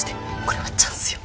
これはチャンスよ。